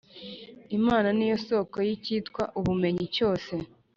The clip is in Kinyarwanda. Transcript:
Imana ni yo soko y’icyitwa ubumenyi cyose